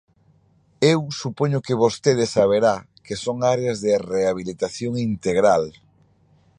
Eu supoño que vostede saberá que son áreas de rehabilitación integral.